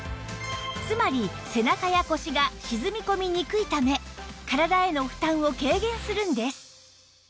つまり背中や腰が沈み込みにくいため体への負担を軽減するんです